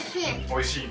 おいしい。